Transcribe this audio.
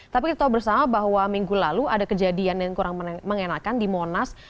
tapi kita tahu bersama bahwa minggu lalu ada kejadian yang kurang mengenakan di monas